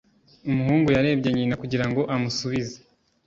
Umuhungu yarebye nyina kugira ngo amusubize.